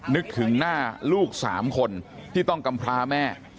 นึกถึงหน้าลูก๓คนที่ต้องกำพราแม่